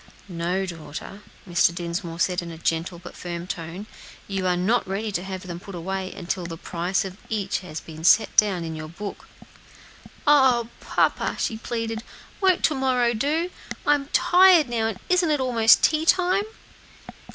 "No, daughter," Mr. Dinsmore said in a gentle but firm tone; "you are not ready to have them put away until the price of each has been set down in your book." "Oh! papa," she pleaded, "won't to morrow do? I'm tired now, and isn't it almost tea time?"